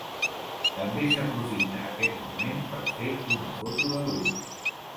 També s'aprofita aquest moment per fer una foto de grup.